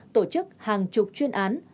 tổ chức hàng chục chuyên án